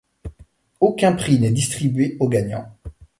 Aucun prix n'est distribué aux gagnants.